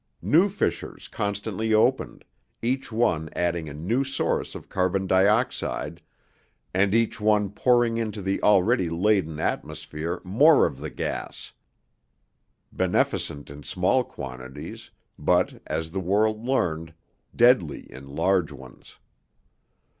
New fissures constantly opened, each one adding a new source of carbon dioxide, and each one pouring into the already laden atmosphere more of the gas beneficent in small quantities, but as the world learned, deadly in large ones.